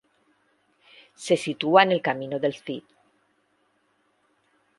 Se sitúa en el Camino del Cid.